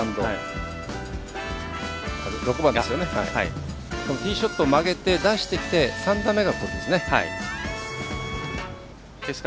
６番、ティーショットまげて出してきて３打目が、これですね。